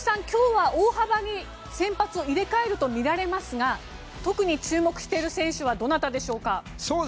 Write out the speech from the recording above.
今日は大幅に先発を入れ替えるとみられますが特に注目している選手はどなたでしょうか。